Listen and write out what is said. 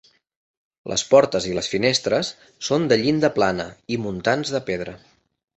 Les portes i les finestres són de llinda plana i muntants de pedra.